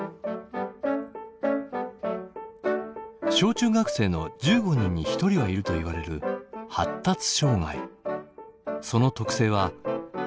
小中学生の１５人に１人はいるといわれる発達障害。